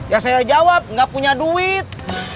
ya saya jawab nggak punya duit